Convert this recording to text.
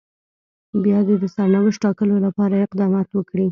بيا دې د سرنوشت ټاکلو لپاره اقدامات وکړي.